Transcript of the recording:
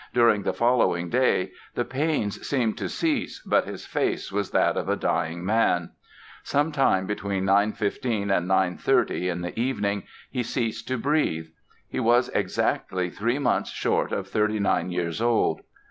During the following day the pains seemed to cease, but his face was that of a dying man". Some time between 9:15 and 9:30 in the evening he ceased to breathe. He was exactly three months short of 39 years old.